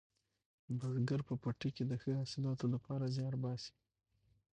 بزګر په پټي کې د ښه حاصلاتو لپاره زیار باسي